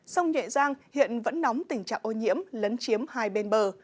sông nhuệ giang hiện vẫn nóng tình trạng ô nhiễm lấn chiếm hai bên bờ